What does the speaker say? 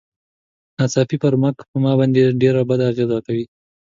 ناڅاپي بريک ما باندې ډېره بده اغېزه کوي.